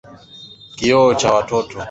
Kioo cha watoto.